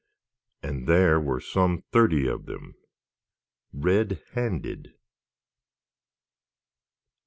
And here were some thirty of them—red handed!